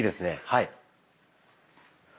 はい。